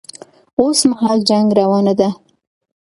اوس مهال جنګ روان ده